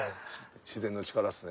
自然の力っすね。